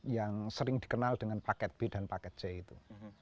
yang sering dikenal dengan paket b dan paket c itu